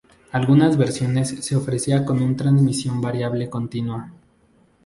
Algunas versiones se ofrecía con un transmisión variable continua.